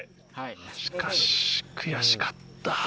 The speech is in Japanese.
しかし悔しかった。